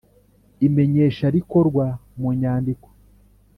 Imenyesha rikorwa mu nyandiko